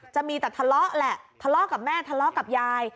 จะมีแต่ทะเลาะแหละทะเลาะกับแม่ทะเลาะกับยาย